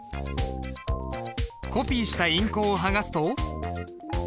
コピーした印稿を剥がすと。